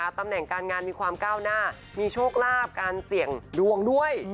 ตำแหน่งการงานมีความก้าวหน้ามีโชคลาภการเสี่ยงดวงด้วย